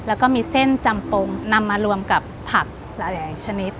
แล้วก็มีเส้นจำปงนำมารวมกับผักหลายชนิด